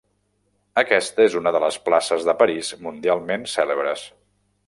Aquesta és una de les places de París mundialment cèlebres.